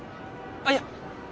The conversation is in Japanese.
あっいや